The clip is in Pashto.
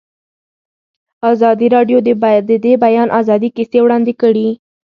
ازادي راډیو د د بیان آزادي کیسې وړاندې کړي.